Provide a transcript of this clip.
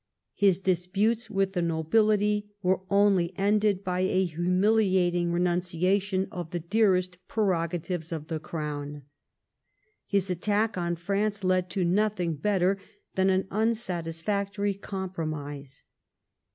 His disputes with the nobility were only ended by a humiliating renuncia tion of the dearest prerogatives of the Crown. His attack on France led to nothing better than an unsatis factory compromise.